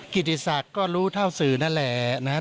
กิจศักดิ์ก็รู้เท่าสื่อนั่นแหละนะครับ